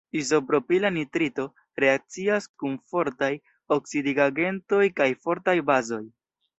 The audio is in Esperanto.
Izopropila nitrito reakcias kun fortaj oksidigagentoj kaj fortaj bazoj.